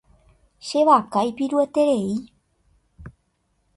Che vaka ipirueterei.